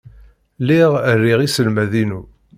Lliɣ riɣ iselmaden-inu.